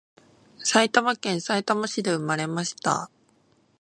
埼玉県さいたま市で産まれました